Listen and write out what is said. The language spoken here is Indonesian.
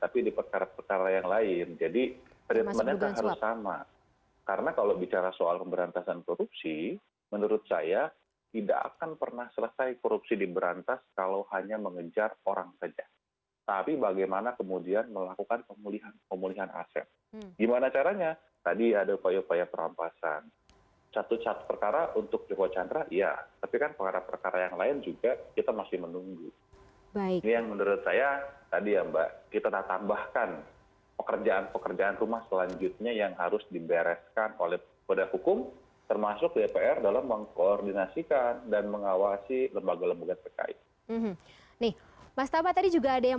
pr dalam mengkoordinasikan dan mengawasi lembaga lembaga pekai nih mas tama tadi juga ada yang